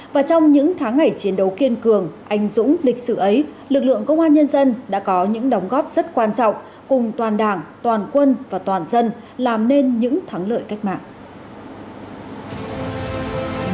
và trong những tháng ngày chiến đấu kiên cường anh dũng lịch sử ấy lực lượng công an nhân dân đã có những đóng góp rất quan trọng cùng toàn đảng toàn quân và toàn dân làm nên những thắng lợi cách mạng